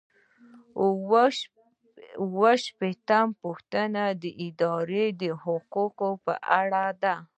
اووه ویشتمه پوښتنه د ادارې د حقوقو په اړه ده.